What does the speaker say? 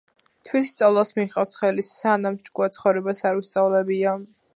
„თვითსწავლას მიჰყავით ხელი, სანამ ჭკუა ცხოვრებას არ უსწავლებია.”